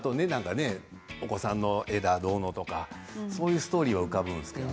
お子さんの絵だとかそういうストーリーは浮かぶんだけどな。